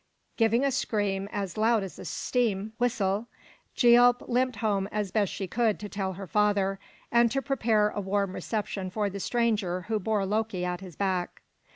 Giving a scream as loud as a steam whistle, Gialp limped home as best she could to tell her father, and to prepare a warm reception for the stranger who bore Loki at his back.